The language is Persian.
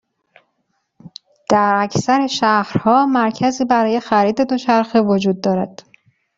در اکثر شهرها، مرکزی برای خرید دوچرخه وجود دارد.